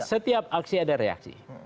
setiap aksi ada reaksi